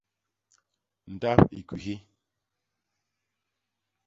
Ndap i kwihi.